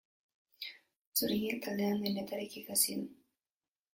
Zurinek taldean denetarik ikasi du.